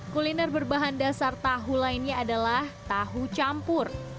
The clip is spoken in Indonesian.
kuliner berbahan dasar tahu lainnya adalah tahu campur